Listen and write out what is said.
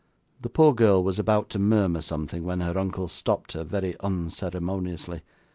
The poor girl was about to murmur something, when her uncle stopped her, very unceremoniously.